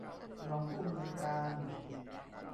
รองผู้อำนวยการ